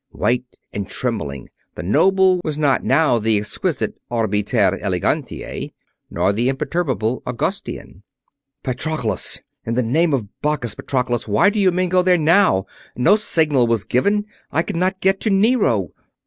White and trembling, the noble was not now the exquisite Arbiter Elegantiae; nor the imperturbable Augustian. "Patroclus! In the name of Bacchus, Patroclus, why do the men go there now? No signal was given I could not get to Nero!"